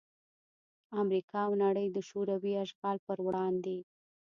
امریکا او نړۍ دشوروي اشغال پر وړاندې